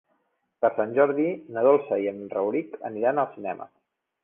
Per Sant Jordi na Dolça i en Rauric aniran al cinema.